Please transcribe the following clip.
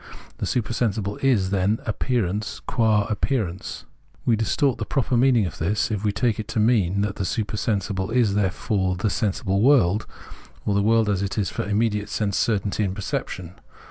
The supersensible is then appearance qua appearance. We distort the proper meanmg of this, if we take it to mean that the super sensible is therefore the sensible world, or the world as it is for immediate sense certainty and perception.